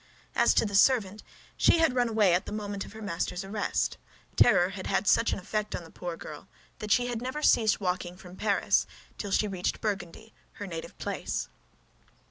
As to the servant, she had run away at the moment of her master's arrest. Terror had had such an effect upon the poor girl that she had never ceased walking from Paris till she reached Burgundy, her native place.